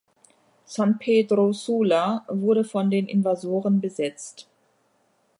San Pedro Sula wurde von den Invasoren besetzt.